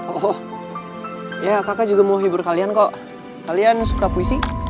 oh ya kakak juga mau hibur kalian kok kalian suka puisi